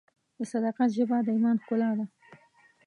د صداقت ژبه د ایمان ښکلا ده.